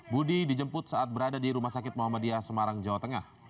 budi dijemput saat berada di rumah sakit muhammadiyah semarang jawa tengah